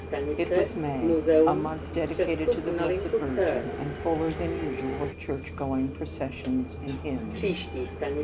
It was May, a month dedicated to the Blessed Virgin, and fuller than usual of church going, processions, and hymns.